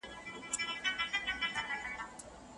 د کابل پوهنتون کي د چینایي ژبي زده کړه ولي مهمه ده؟